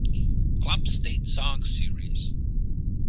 Club State Songs series.